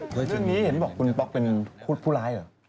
ช่วงนี้เห็นบอกคุณป๊อกเป็นผู้ร้ายเหรอ